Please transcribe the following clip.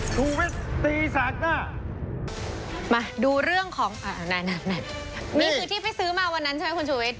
นี่คือที่ไปซื้อมาวันนั้นใช่ไหมคุณฉุวิทย์